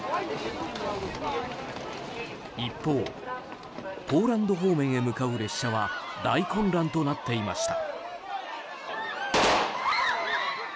一方、ポーランド方面へ向かう列車は大混乱となっていました。